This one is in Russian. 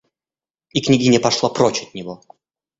И княгиня пошла прочь от него.